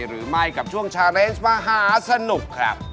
หรือไม่กับช่วงชาเรสมหาสนุกครับ